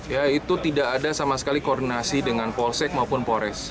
ya itu tidak ada sama sekali koordinasi dengan polsek maupun polres